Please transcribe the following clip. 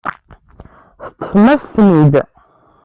Teṭṭfem-as-ten-id.